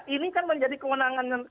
ini kan menjadi kewenangan